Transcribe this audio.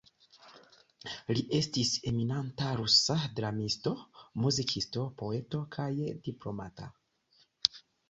Li estis eminenta rusa dramisto, muzikisto, poeto kaj diplomato.